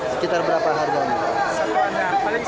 sekitar berapa harga itu